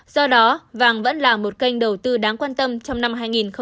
do đó vàng vẫn là một kênh đầu tư đáng quan tâm trong năm hai nghìn hai mươi